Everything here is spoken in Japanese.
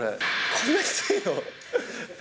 こんなきついの？